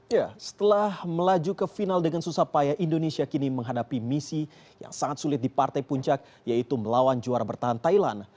ya setelah melaju ke final dengan susah payah indonesia kini menghadapi misi yang sangat sulit di partai puncak yaitu melawan juara bertahan thailand